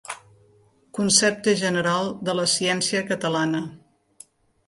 Concepte general de la ciència catalana.